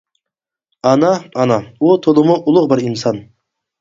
ئانا ئانا، ئۇ تولىمۇ ئۇلۇغ بىر ئىنسان.